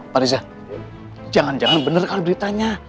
pak reza jangan jangan bener kan beritanya